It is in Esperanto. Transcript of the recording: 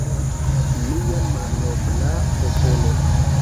Kia malnobla popolo.